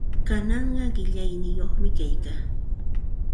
Kananqa qillayniyuqmi kaykaa.